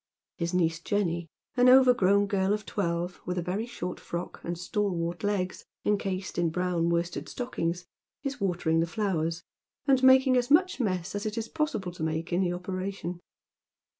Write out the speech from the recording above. His niece Jennj' , an overgrown girl of twelve, with a very short frock and stalwart legs, encased in brown worsted stockings, is watering the flowers, and making as much mess as it is possible to make in the opera tion.